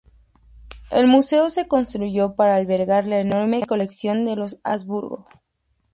El museo se construyó para albergar la enorme colección de los Habsburgo.